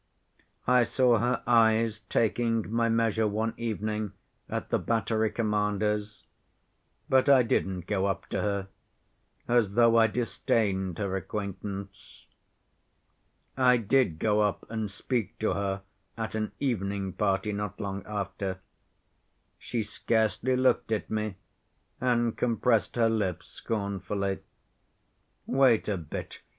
I saw her eyes taking my measure one evening at the battery commander's, but I didn't go up to her, as though I disdained her acquaintance. I did go up and speak to her at an evening party not long after. She scarcely looked at me, and compressed her lips scornfully. 'Wait a bit.